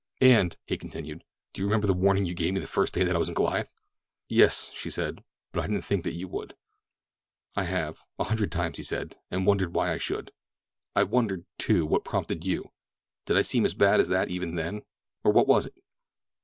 And," he continued, "do you remember the warning that you gave me the first day that I was in Goliath?" "Yes," she said, "but I didn't think that you would." "I have, a hundred times," he said. "And wondered why I should. I've wondered, too, what prompted you—did I seem as bad as that even then—or what was it?"